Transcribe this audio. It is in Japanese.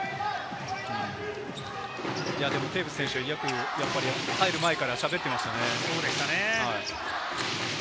テーブス選手はよく入る前から喋っていましたね。